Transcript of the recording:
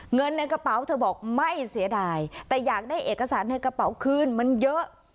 เงินในกระเป๋าเธอบอกไม่เสียดายแต่อยากได้เอกสารในกระเป๋าคืนมันเยอะ